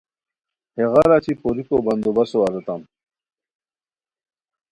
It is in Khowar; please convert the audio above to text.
ہیغار اچی پوریکو بندو بسو ارتام